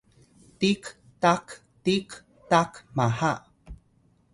tik tak tik tak maha